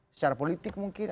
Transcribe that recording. secara politik mungkin